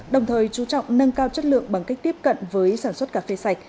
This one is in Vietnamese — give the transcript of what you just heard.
đồng thời chú trọng nâng cao chất lượng bằng cách tiếp cận với sản xuất cà phê sạch